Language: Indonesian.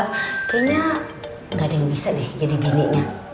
kayanya ga ada yang bisa deh jadi bininya